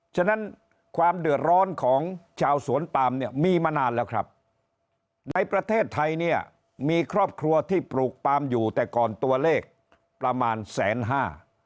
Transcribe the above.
ฉะนั้นความเดือดร้อนของชาวสวนปามเนี่ยมีมานานแล้วครับในประเทศไทยเนี่ยมีครอบครัวที่ปลูกปามอยู่แต่ก่อนตัวเลขประมาณแสนห้า